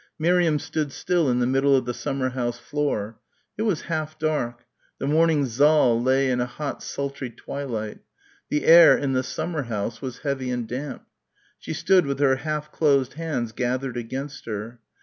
Miriam stood still in the middle of the summer house floor. It was half dark; the morning saal lay in a hot sultry twilight. The air in the summer house was heavy and damp. She stood with her half closed hands gathered against her.